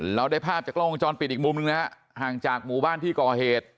เราได้ภาพจากกล้องวงจรปิดอีกมุมหนึ่งนะฮะห่างจากหมู่บ้านที่ก่อเหตุ